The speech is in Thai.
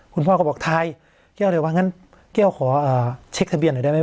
คุณพ่อก็บอกไทยเกี้ยวเลยว่างั้นเกี้ยวขอเช็คทะเบียนหน่อยได้ไหม